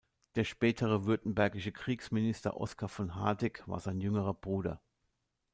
Der spätere württembergische Kriegsminister Oskar von Hardegg war sein jüngerer Bruder.